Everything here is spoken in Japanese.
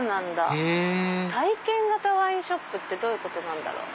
へぇ体験型ワインショップってどういうことなんだろう？